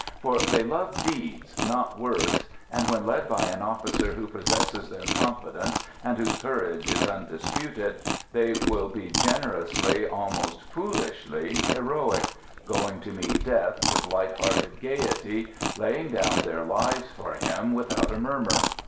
For they love deeds, not words, and, when led by an officer who possesses their confidence and whose courage is undisputed, they will be generously, almost foolishly, heroic, going to meet death with light hearted gaiety, laying down their lives for him without a murmur.